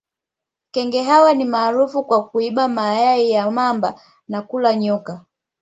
Kenge hawa ni maarufu kwa kuiba mayai ya mamba na kula nyoka